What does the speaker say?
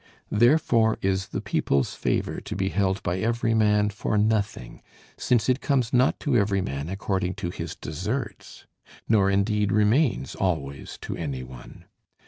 Therefore is the people's favor to be held by every man for nothing; since it comes not to every man according to his deserts, nor indeed remains always to any one.